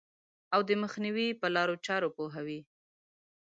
او د مخنیوي په لارو چارو پوهوي.